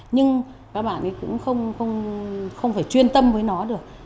nhưng các bạn ấy cũng không phải chuyên tâm với nó được